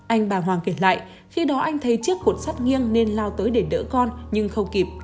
anh bà hoàng kể lại khi đó anh thấy chiếc cột sắt nghiêng nên lao tới để đỡ con nhưng không kịp